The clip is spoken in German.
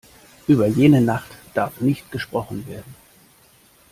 Über jene Nacht darf nicht gesprochen werden.